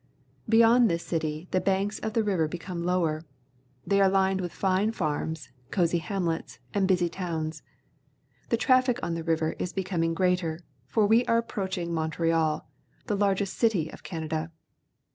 Beyond this city the banks of the river be come lower. They are lined with fine farms, cosy hamlets, and busy towns. The traffic on the river is becoming greater, for we are ap proaching Montreal, the largest city of Can ada.